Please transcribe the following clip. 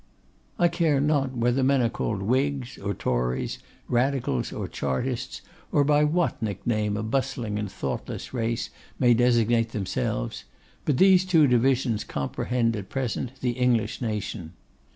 'I care not whether men are called Whigs or Tories, Radicals or Chartists, or by what nickname a bustling and thoughtless race may designate themselves; but these two divisions comprehend at present the English nation.